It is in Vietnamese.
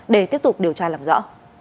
để tiếp tục điều tra làm rõ